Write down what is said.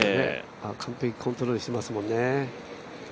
完璧にコントロールしてますもんね。